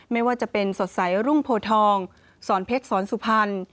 ไม่ว่าจะเป็นสดใสรุ่งโพทองสอนเพชรสอนสุพรรณ